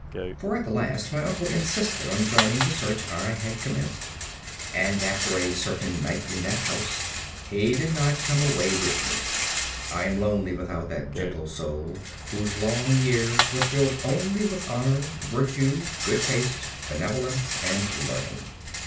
For at the last my uncle insisted on joining the search I had commenced, and after a certain night in that house he did not come away with me. I am lonely without that gentle soul whose long years were filled only with honor, virtue, good taste, benevolence, and learning.